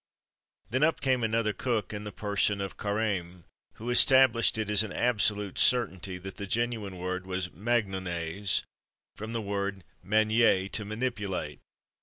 Then up came another cook, in the person of Carême, who established it as an absolute certainty that the genuine word was "MAGNONNAISE," from the word "manier," to manipulate.